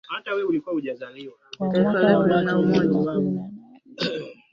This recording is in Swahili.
kwa mwaka wa elfu mbili na kumi na nane